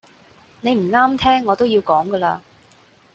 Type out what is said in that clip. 你唔啱聽我都要講㗎喇